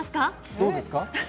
どうですか？